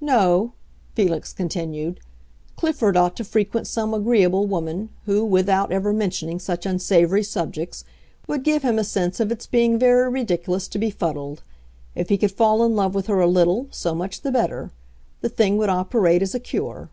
No," Felix continued; "Clifford ought to frequent some agreeable woman, who, without ever mentioning such unsavory subjects, would give him a sense of its being very ridiculous to be fuddled. If he could fall in love with her a little, so much the better. The thing would operate as a cure."